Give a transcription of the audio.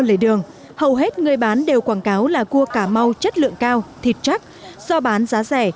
lề đường hầu hết người bán đều quảng cáo là cua cà mau chất lượng cao thịt chắc do bán giá rẻ